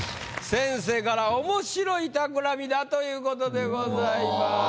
先生から「おもしろい企み」だということでございます。